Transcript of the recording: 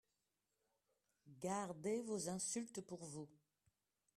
Gardez vos insultes pour vous